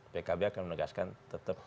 pkb akan menegaskan tetap